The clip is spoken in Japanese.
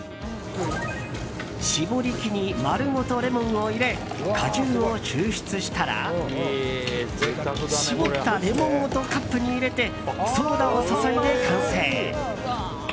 搾り器に丸ごとレモンを入れ果汁を抽出したら搾ったレモンごとカップに入れてソーダを注いで完成！